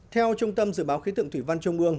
theo trung tâm dự báo khí tượng thủy văn trung ương